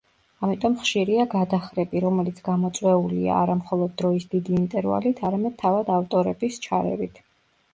ამიტომ ხშირია გადახრები, რომელიც გამოწვეულია არა მხოლოდ დროის დიდი ინტერვალით, არამედ თავად ავტორების ჩარევით.